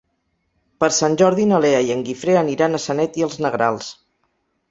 Per Sant Jordi na Lea i en Guifré aniran a Sanet i els Negrals.